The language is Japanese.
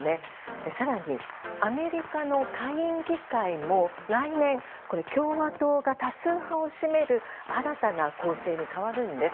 更に、アメリカの下院議会も来年共和党が多数派を占める新たな構成に変わるんです。